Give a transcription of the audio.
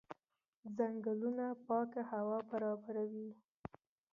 ځنګلونه پاکه هوا برابروي.